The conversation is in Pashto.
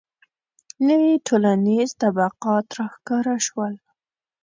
• نوي ټولنیز طبقات راښکاره شول.